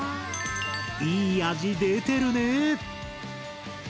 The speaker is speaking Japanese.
いい味出てるね！